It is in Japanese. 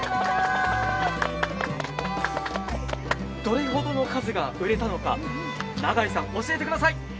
どれほどの数が売れたのか永井さん教えてください。